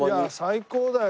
最高だよ。